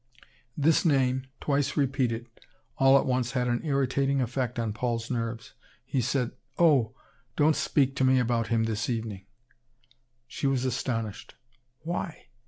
This name, twice repeated, all at once had an irritating effect on Paul's nerves. He said: "Oh! don't speak to me about him this evening." She was astonished: "Why?